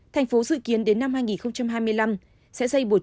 thành phố dự kiến đến năm hai nghìn hai mươi năm